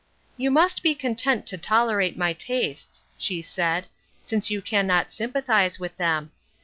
" You must be content to tolerate my tastes," she said, "since you can not sympathize with them.